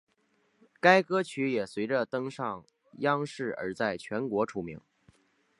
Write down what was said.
该歌曲也随着登上央视而在全国出名。